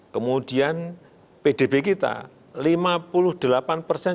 kemudian pdb kita lima puluh delapan persen